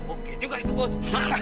oke yuk lah itu bos